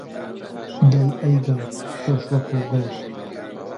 دەی ئەی گڵ، تۆش وەکو گڵ